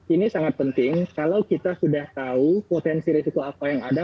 ini sangat penting kalau kita sudah tahu potensi risiko apa yang ada